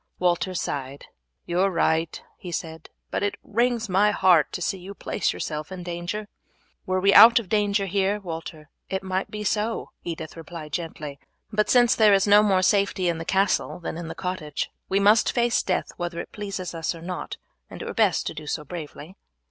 Walter sighed. "You are right," he said, "but it wrings my heart to see you place yourself in danger." "Were we out of danger here, Walter, it might be so," Edith replied gently; "but since there is no more safety in the castle than in the cottage, we must face death whether it pleases us or not, and it were best to do so bravely."